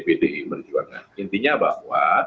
bdi menjuangkan intinya bahwa